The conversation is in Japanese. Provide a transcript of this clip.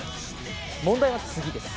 問題は、次です。